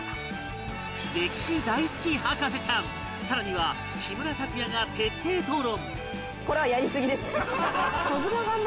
歴史大好き博士ちゃん更には木村拓哉が徹底討論